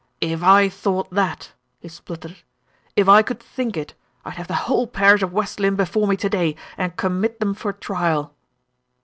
"If I thought that," he spluttered, "if I could think it, I'd have the whole parish of West Lynne before me to day, and commit them for trial."